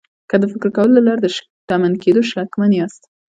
که د فکر کولو له لارې د شتمن کېدو شکمن یاست